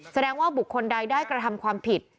แสดงว่าบุคคลใดได้กระทำความผิด